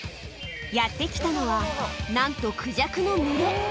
やって来たのは、なんとクジャクの群れ。